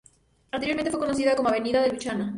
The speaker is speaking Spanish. Anteriormente fue conocida como Avenida de Luchana.